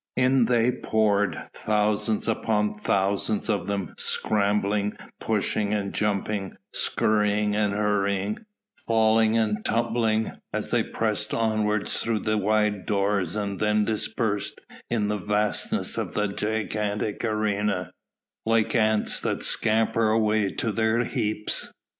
In they poured, thousands upon thousands of them, scrambling, pushing and jumping, scurrying and hurrying, falling and tumbling, as they pressed onwards through the wide doors and then dispersed in the vastness of the gigantic arena, like ants that scamper away to their heaps.